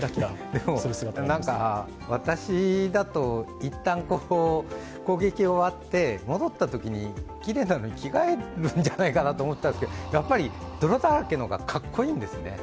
でも、私だと一旦攻撃終わって戻ったときにきれいなのに着替えるんじゃないかなと思ったんですがやっぱり泥だらけの方がカッコイイんですね。